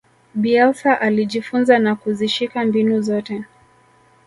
bielsa alijifunza na kuzishika mbinu zote